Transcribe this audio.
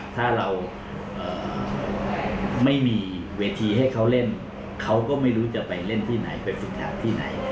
ถ้าเราม้นิเวทีให้เค้าเล่นเค้าไม่รู้จะไปเล่นที่ไหนไปฝึกถ่ายที่ไหน